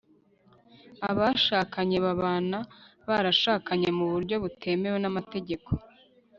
abashakanye babana barashakanye mu buryo butemewe n'amategeko